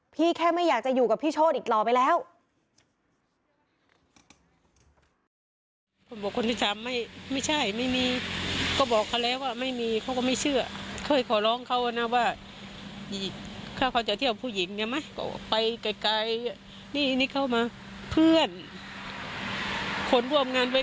แค่ไม่อยากจะอยู่กับพี่โชธอีกหล่อไปแล้ว